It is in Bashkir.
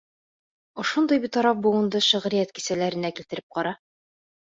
Ошондай битараф быуынды шиғриәт кисәләренә килтереп ҡара.